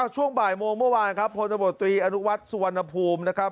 ช่วงบ่ายโมงเมื่อวานครับพบอสุวรรณภูมิ